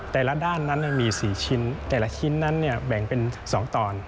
แต่ละด้านนั้นมี๔ชิ้นแต่ละชิ้นนั้นแบ่งเป็น๒ตอน